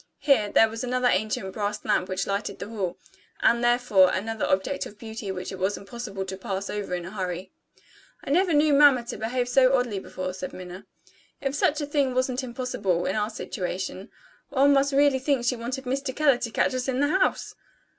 Here, there was another ancient brass lamp which lighted the hall; and, therefore, another object of beauty which it was impossible to pass over in a hurry. "I never knew mamma to behave so oddly before," said Minna. "If such a thing wasn't impossible, in our situation, one would really think she wanted Mr. Keller to catch us in the house!"